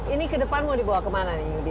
ini ke depan mau dibawa kemana nih yudi